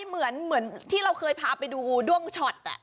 เหมือนที่เราเคยพาไปดูด้วงช็อต